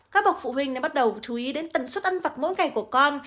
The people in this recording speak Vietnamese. các bậc phụ huynh nên bắt đầu chú ý đến tầm suất ăn vặt mỗi ngày của con